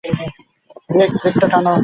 Break, ব্রেকটা টানো!